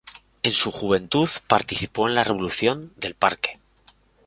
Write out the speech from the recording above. En su juventud participó en la Revolución del Parque.